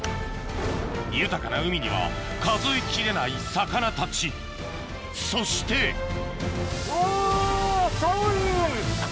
豊かな海には数えきれない魚たちそして・お超いい！